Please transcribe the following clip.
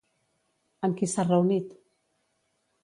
Amb qui s'ha reunit?